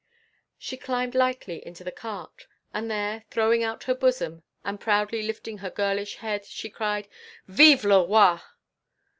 She climbed lightly into the cart. And there, throwing out her bosom and proudly lifting her girlish head, she cried "Vive le Roi!"